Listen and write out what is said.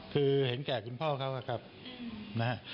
คือเห็นแก่คุณพ่อเขาอะครับนะฮะ